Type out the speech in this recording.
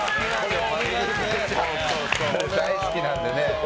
大好きなんでね。